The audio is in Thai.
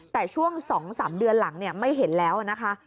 แต่ช่วง๒๓เดือนหลังไม่เห็นแล้วนะคะ